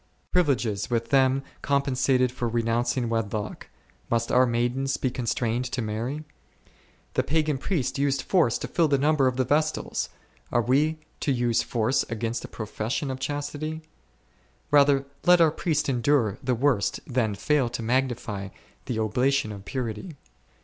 Privileges with them compen sated for renouncing wedlock ; must our maidens be constrained to marry ? The pagan priest used force to b St. Matt. xiv. 4. Isaiah i. 17. k Psalm lxviii. o. c fill the number of the vestals ; are we to use force against the profession of chastity ? Rather let our priests endure the worst than fail to magnify the ob lation of purity.